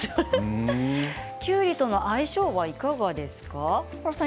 きゅうりとの相性はいかがですか。